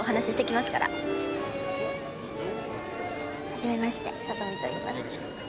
はじめまして里見といいます。